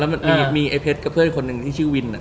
กับเพื่อนเดียรึงนึงนี่ชื่อวิน